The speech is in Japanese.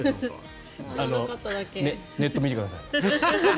ネット見てください。